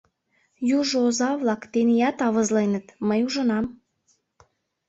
Южо оза-влак теният авызленыт, мый ужынам.